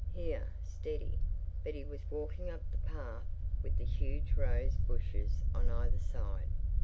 Here, steady. But he was walking up the path, with the huge rose bushes on either side.